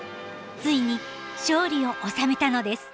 ついに勝利を収めたのです。